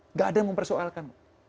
nggak ada yang mempersoalkan